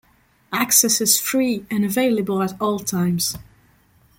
Access is free, and available at all times.